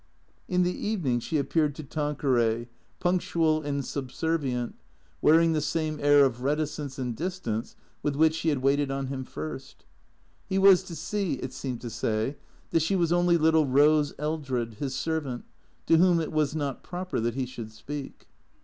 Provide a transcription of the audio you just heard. In the evening she appeared to Tanqueray, punctual and 40 THE CEEATOES subservient, wearing the same air of reticence and distance with which she had waited on him first. He was to see, it seemed to say, that she was only little Eose Eldred, his servant, to whom it was not proper that he should speak.